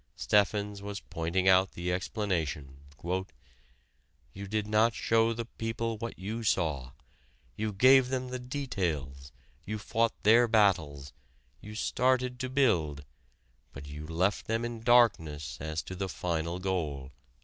Steffens was pointing out the explanation: "you did not show the people what you saw, you gave them the details, you fought their battles, you started to build, but you left them in darkness as to the final goal."